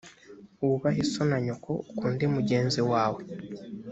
wubahe so na nyoko ukunde mugenzi wawe